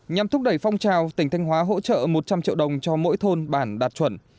nhằm thúc đẩy phong trào tỉnh thanh hóa hỗ trợ một trăm linh triệu đồng cho mỗi thôn bản đạt chuẩn